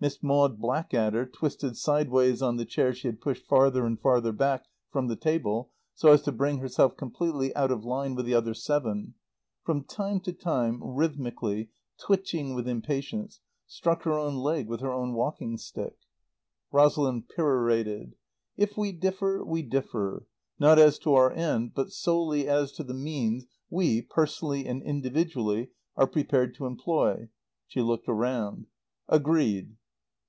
Miss Maud Blackadder, twisted sideways on the chair she had pushed farther and farther back from the table, so as to bring herself completely out of line with the other seven, from time to time, rhythmically, twitching with impatience, struck her own leg with her own walking stick. Rosalind perorated. "If we differ, we differ, not as to our end, but solely as to the means we, personally and individually, are prepared to employ." She looked round. "Agreed."